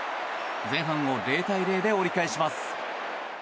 前半を０対０で折り返します。